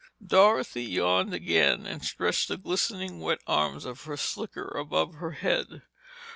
Dorothy yawned again and stretched the glistening wet arms of her slicker above her head.